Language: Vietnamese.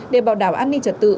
để bảo đảm an ninh trật tự